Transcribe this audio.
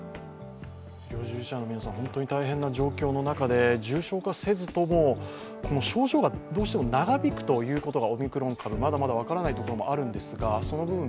医療従事者の皆さん、大変な状況の中で、重症化せずとも症状がどうしても長引くということがオミクロン株、まだまだ分からないところもあるんです。